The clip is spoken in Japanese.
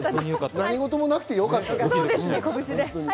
何事もなくてよかったです。